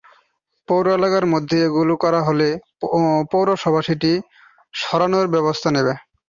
পৌর এলাকার মধ্যে এগুলো করা হলে পৌরসভা সেটি সরানোর ব্যবস্থা নেবে।